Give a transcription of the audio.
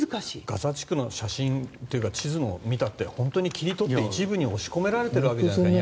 ガザ地区の写真というか地図を見たって本当に切り取って一部に押し込められているわけじゃないですか。